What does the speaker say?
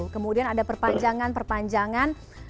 kemudian ada perpanjangan perpanjangan